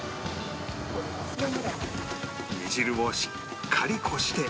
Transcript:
煮汁をしっかりこして